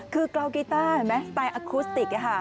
คือกลาวกีตาร์สไตล์อาคูสติก